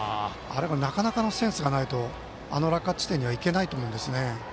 なかなかのセンスがないとあの落下地点にはいけないと思うんですね。